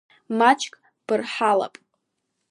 Маҷк бырҳалап.